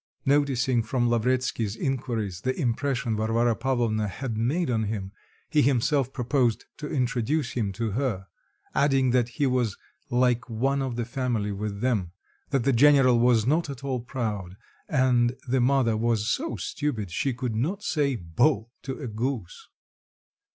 Noticing from Lavretsky's inquiries the impression Varvara Pavlovna had made on him, he himself proposed to introduce him to her, adding that he was like one of the family with them; that the general was not at all proud, and the mother was so stupid she could not say "Bo" to a goose.